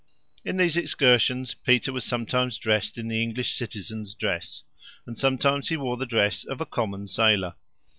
In these excursions Peter was sometimes dressed in the English citizen's dress, and sometimes he wore the dress of a common sailor.